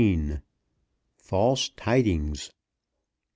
FALSE TIDINGS.